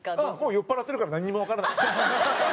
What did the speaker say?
酔っ払ってるからなんにもわからない。